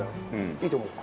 いいと思う。